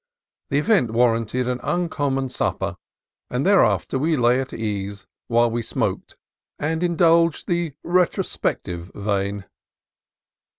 The event warranted an uncommon supper, and thereafter we lay at ease while we smoked and indulged the re trospective vein.